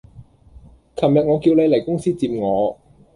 琴日我叫你嚟公司接我